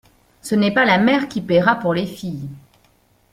Ce n’est pas la mère qui paiera pour les filles.